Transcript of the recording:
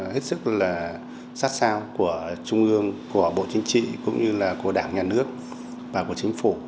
hết sức là sát sao của trung ương của bộ chính trị cũng như là của đảng nhà nước và của chính phủ